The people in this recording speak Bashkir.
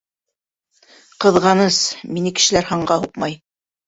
Ҡыҙғаныс, мине кешеләр һанға һуҡмай.